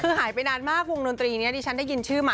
คือหายไปนานมากวงดนตรีนี้ดิฉันได้ยินชื่อมา